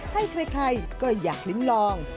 ใครก็อยากลิ้มลอง